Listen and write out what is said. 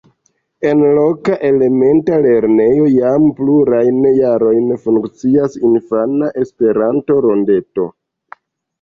En loka elementa lernejo jam plurajn jarojn funkcias infana Esperanto-rondeto.